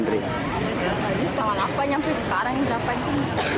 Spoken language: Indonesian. dari setengah delapan sampai sekarang yang berapa jam